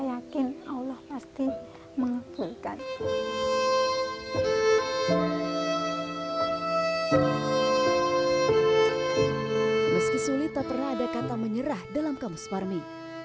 yakin allah pasti sulit tak pernah ada kata menyerah dalam kamus parmi